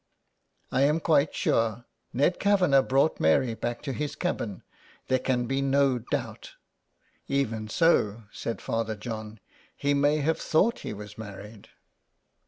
' I am quite sure. Ned Kavanagh brought Mary back to his cabin. There can be no doubt." " Even so," said Father John. " He may have thought he was married."